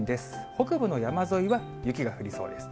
北部の山沿いは雪が降りそうです。